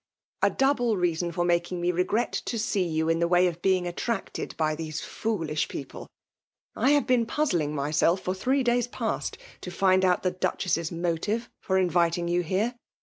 *' A double reason for making me regret to see you in the way of being attracted by these foolish people. I have been puzzling myself, for three days past, to find out the Duchess's motive for inviting you here.